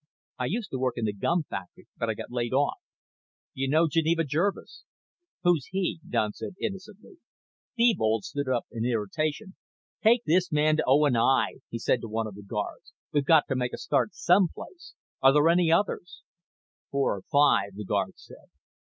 "I used to work in the gum factory but I got laid off." "Do you know Geneva Jervis?" "Who's he?" Don said innocently. Thebold stood up in irritation. "Take this man to O. & I.," he said to one of the guards. "We've got to make a start some place. Are there any others?" "Four or five," the guard said.